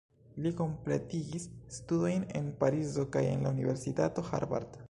Li kompletigis studojn en Parizo kaj en la Universitato Harvard.